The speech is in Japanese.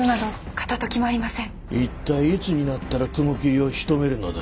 一体いつになったら雲霧をしとめるのだ？